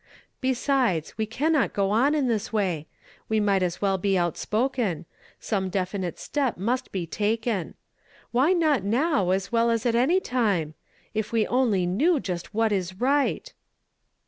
Be sides, we cannot go on in this way. We might as well be outspoken ; some definite step must be taken. Why not now as well as at any time? If we only knew just what is right!